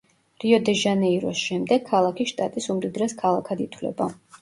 რიო-დე-ჟანეიროს შემდეგ, ქალაქი შტატის უმდიდრეს ქალაქად ითვლება.